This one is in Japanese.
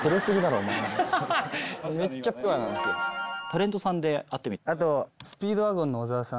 タレントさんで会ってみたい人。